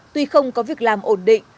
tuy không có việc làm ổn định